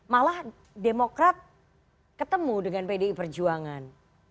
malah demokrat ketemu dengan pdi perjuangan